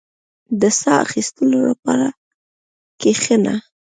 • د ساه اخيستلو لپاره کښېنه.